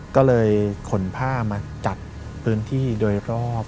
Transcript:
ก็เลยขนผ้ามาจัดพื้นที่โดยรอบ